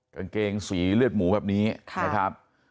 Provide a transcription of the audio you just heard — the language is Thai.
กางเกงสีเลือดหมูแบบนี้นะครับ